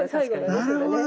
なるほど。